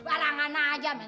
balangan aja men